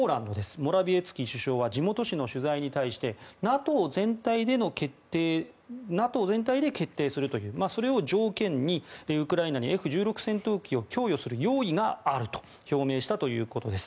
モラビエツキ首相は地元紙の取材に対してＮＡＴＯ全体で決定するということを条件にウクライナにＦ１６戦闘機を供与する用意があると表明したということです。